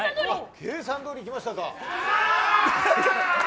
計算どおりいきましたか。